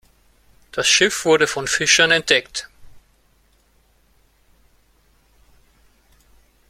Das Schiff wurde von Fischern entdeckt.